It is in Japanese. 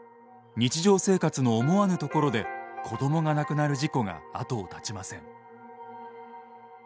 日常生活の思わぬところで子どもが亡くなる事故が後を絶ちません。